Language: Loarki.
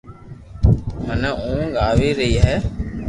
منو اونگ آوي رھئي ھي